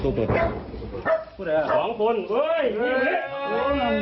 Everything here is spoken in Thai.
บอกเผิดแล้ว